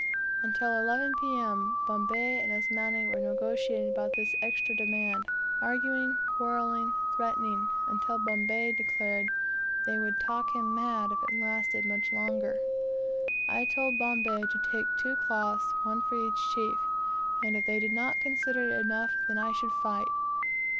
Until 11 P.M., Bombay and Asmani were negotiating about this extra demand, arguing, quarreling, threatening, until Bombay declared they would talk him mad if it lasted much longer. I told Bombay to take two cloths, one for each chief, and, if they did not consider it enough, then I should fight.